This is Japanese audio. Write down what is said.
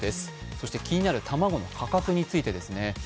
そして気になる卵の価格についてですね。